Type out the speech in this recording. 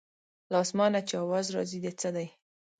له اسمانه چې اواز راځي د څه دی.